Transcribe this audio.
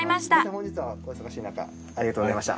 本日はお忙しいなかありがとうございました。